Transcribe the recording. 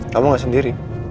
kamu nggak sendiri